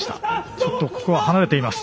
ちょっとここは離れています。